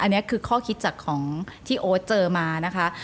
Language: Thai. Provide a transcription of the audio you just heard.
อันนี้คือข้อคิดจากของที่โอ๊ตเจอมานะคะ